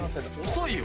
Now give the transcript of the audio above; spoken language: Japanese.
遅いよ！